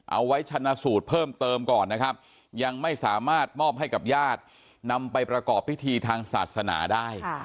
เอาไว้ชนะสูตรเพิ่มเติมก่อนนะครับยังไม่สามารถมอบให้กับญาตินำไปประกอบพิธีทางศาสนาได้